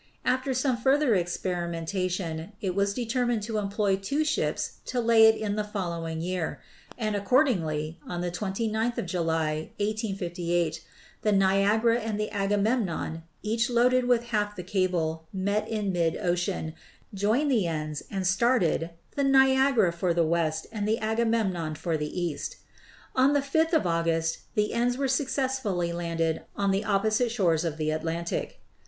After some further experimenta tion, it was determined to employ two ships to lay it in the following year; and accordingly, on the 29th of July, 1858, the Niagara and the Agamemnon, each loaded with half the cable, met in mid ocean, joined the ends, and started, the Niagara for the west and the Agamemnon for the east. On the 5th of August the ends were suc cessfully landed on the opposite shores of the Atlantic.